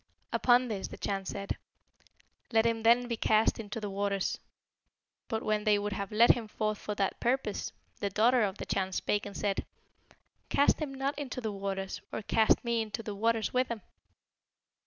Upon this the Chan said, 'Let him then be cast into the waters!' But when they would have led him forth for that purpose, the daughter of the Chan spake and said, 'Cast him not into the waters, or cast me into the waters with him.'